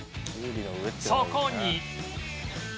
そこに